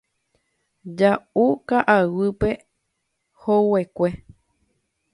Ja'u ka'aguýpe hoguekue.